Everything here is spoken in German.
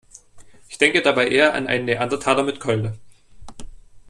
Ich denke dabei eher an einen Neandertaler mit Keule.